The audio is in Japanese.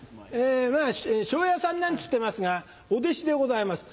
「昇也さん」なんて言ってますがお弟子でございます。